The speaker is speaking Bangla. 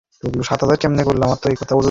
হেউডের সাথে পাঙ্গা নিয়ে কেউ জেতে না, হারামজাদী!